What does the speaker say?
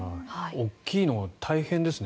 大きいのは大変ですね。